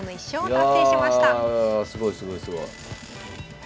いやすごいすごいすごい。